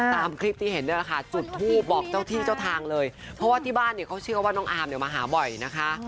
ตามคลิปที่เห็นเนี่ยแหละค่ะจุดทูปบอกเจ้าที่เจ้าทางเลยเพราะว่าที่บ้านเนี่ยเขาเชื่อว่าน้องอาร์มเนี่ยมาหาบ่อยนะคะ